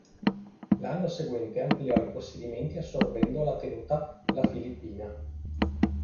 L'anno seguente ampliò i possedimenti assorbendo la tenuta "La Filippina".